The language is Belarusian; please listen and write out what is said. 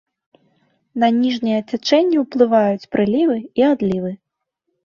На ніжняе цячэнне ўплываюць прылівы і адлівы.